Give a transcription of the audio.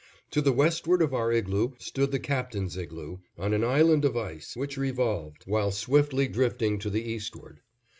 To the westward of our igloo stood the Captain's igloo, on an island of ice, which revolved, while swiftly drifting to the eastward.